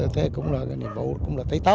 thế cũng là nhiệm vụ